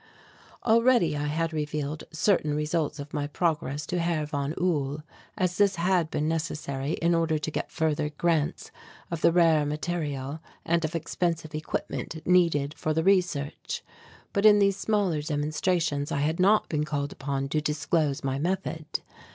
Already I had revealed certain results of my progress to Herr von Uhl, as this had been necessary in order to get further grants of the rare material and of expensive equipment needed for the research, but in these smaller demonstrations, I had not been called upon to disclose my method.